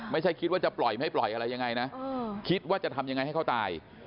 ไม่ใช่คิดว่าจะปล่อยไม่ปล่อยอะไรยังไงนะคิดว่าจะทำยังไงให้เขาตาย